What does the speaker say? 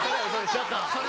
ちょっと。